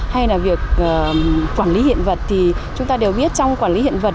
hay là việc quản lý hiện vật thì chúng ta đều biết trong quản lý hiện vật